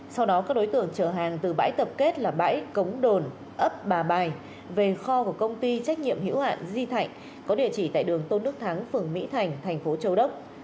sau đó các đối tượng chở hàng từ bãi tập kết là bãi cống đồn ấp bà bài về kho của công ty trách nhiệm hữu hạn di thạnh có địa chỉ tại đường tôn đức thắng phường mỹ thành thành phố châu đốc